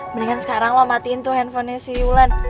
mendingan sekarang lo matiin tuh handphonenya si yulen